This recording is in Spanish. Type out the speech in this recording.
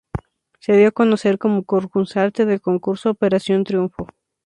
Se dio a conocer como concursante del concurso Operación Triunfo.